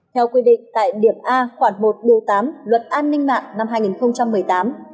theo quy định tại điểm a khoảng một điều tám luật an ninh mạng năm hai nghìn một mươi tám